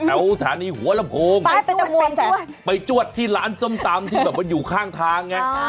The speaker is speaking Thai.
สถานีหัวลำโพงไปจวดที่ร้านส้มตำที่แบบว่าอยู่ข้างทางไง